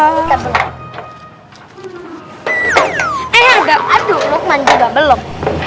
aku belum mandul belum